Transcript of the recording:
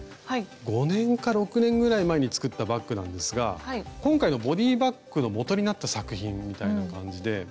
５年か６年ぐらい前に作ったバッグなんですが今回のボディーバッグのもとになった作品みたいな感じで。